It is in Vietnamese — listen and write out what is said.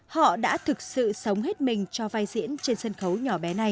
họ đã thực sự sống hết mình cho vai diễn trên sân khấu nhỏ bé này